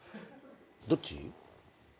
どっち？